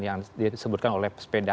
yang disebutkan oleh sepeda